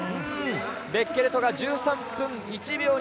ベッケルトが１３分１秒２３。